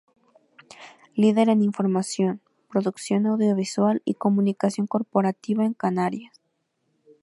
Líder en información, producción audiovisual y comunicación corporativa en Canarias.